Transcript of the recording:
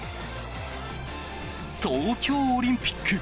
東京オリンピック。